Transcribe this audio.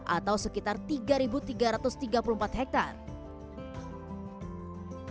atau sekitar tiga tiga ratus tiga puluh empat hektare